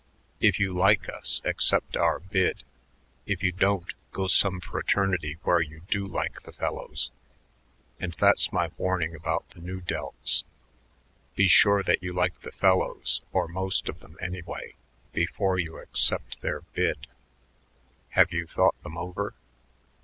If you like us, accept our bid; if you don't, go some fraternity where you do like the fellows. And that's my warning about the Nu Delts. Be sure that you like the fellows, or most of them, anyway, before you accept their bid. Have you thought them over?"